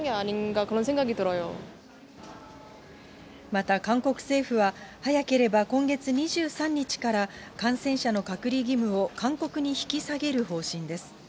また、韓国政府は早ければ今月２３日から、感染者の隔離義務を勧告に引き下げる方針です。